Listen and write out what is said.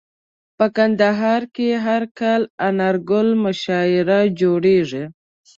په کندهار کي هر کال انارګل مشاعره جوړیږي.